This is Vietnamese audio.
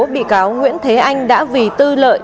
bị cáo nguyễn thế anh đã vì tư lợi